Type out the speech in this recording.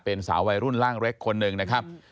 เข้าไปรุ่นร่างเล็กคนหนึ่งนะครับ